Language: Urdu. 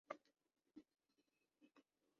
اف پانی کتنا ٹھنڈا ہے